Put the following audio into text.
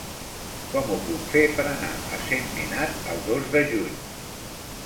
Com ho puc fer per anar a Sentmenat el dos de juny?